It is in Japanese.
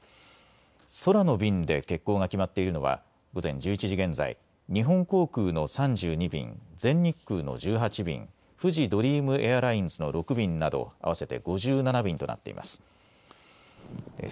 空の便で欠航が決まっているのは午前１１時現在、日本航空の３２便、全日空の１８便、フジドリームエアラインズの６便など合わせて５７便となっています。